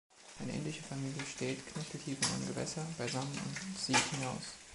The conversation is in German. Eine indische Familie steht, knöcheltief in einem Gewässer, beisammen und sieht hinaus.